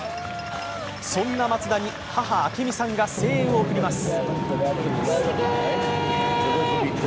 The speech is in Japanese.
そんな松田に、母・明美さんが声援を送ります。